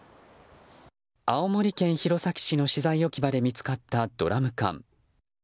青森県弘前市の資材置き場で見つかったドラム缶。